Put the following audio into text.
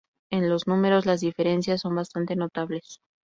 En los números, las diferencias son bastante notables.